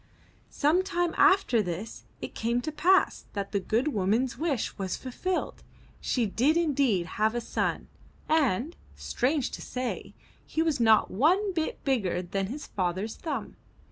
'' Some time after this it came to pass that the good woman's wish was fulfilled. She did indeed have a son, and, strange to say, he was not one bit bigger than his father's thumb.